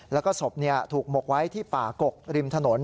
แล้วก็ศพถูกหมกไว้ที่ป่ากกริมถนน